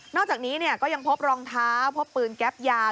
อกจากนี้ก็ยังพบรองเท้าพบปืนแก๊ปยาว